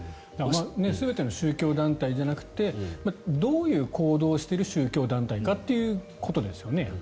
全ての宗教団体じゃなくてどういう行動をしている宗教団体かってことですよね。